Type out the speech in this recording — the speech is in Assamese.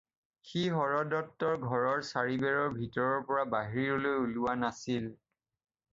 সি হৰদত্তৰ ঘৰৰ চাৰিবেৰৰ ভিতৰৰ পৰা বাহিৰলৈ ওলোৱা নাছিল।